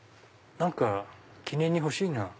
何か記念に欲しいな。